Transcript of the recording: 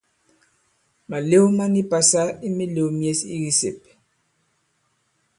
Màlew ma ni pasa i mīlēw myes i kisèp.